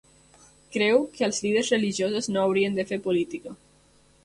Creu que els líders religiosos no haurien de fer política.